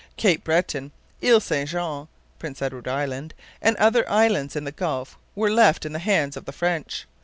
Cape Breton, Ile St Jean (Prince Edward Island), and other islands in the Gulf were left in the hands of the French.